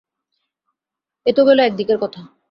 এ তো গেল এক দিকের কথা।